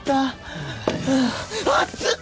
熱っ！